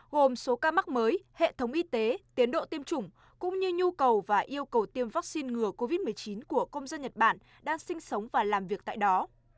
gồm số ca mắc mới hệ thống y tế tiến độ tiêm chủng cũng như nhu cầu và yêu cầu tiêm vaccine ngừa covid một mươi chín của công dân nhật bản đang sinh sống và làm việc tại đó